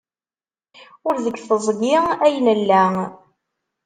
Ur deg teẓgi ay nella.